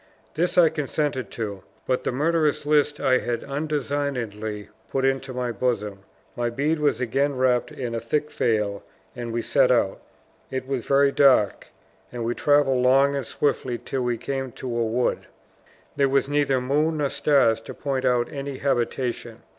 This I consented to; but the murderous list I had undesignedly put into my bosom. My bead was again wrapped in a thick veil, and we set out. It was very dark; and we traveled long and swiftly till we came to a wood. There was neither moon nor stars to point out any habitation.